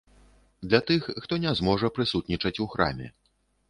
Для тых, хто не зможа прысутнічаць у храме.